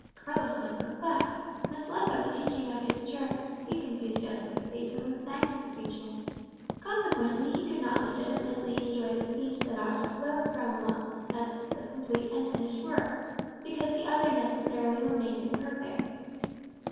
Carlos looked perplexed. Misled by the teaching of his Church, he confused justification with sanctification; consequently he could not legitimately enjoy the peace that ought to flow from the one as a complete and finished work, because the other necessarily remained imperfect.